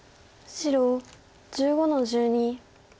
白１５の十二。